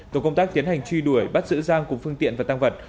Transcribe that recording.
tổ công tác tiến hành truy đuổi bắt giữ giang cùng phương tiện và tăng vật